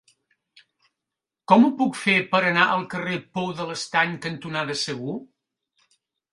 Com ho puc fer per anar al carrer Pou de l'Estany cantonada Segur?